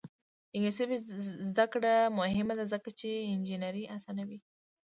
د انګلیسي ژبې زده کړه مهمه ده ځکه چې انجینري اسانوي.